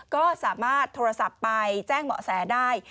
ก็สามารถโทรศัพท์ไปแจ้งเบาะแสได้